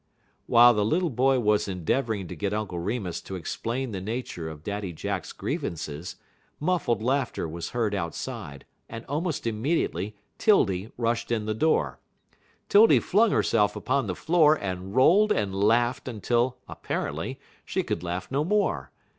While the little boy was endeavoring to get Uncle Remus to explain the nature of Daddy Jack's grievances, muffled laughter was heard outside, and almost immediately 'Tildy rushed in the door. 'Tildy flung herself upon the floor and rolled and laughed until, apparently, she could laugh no more.